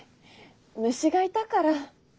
虫がいたから。